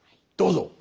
どうぞ。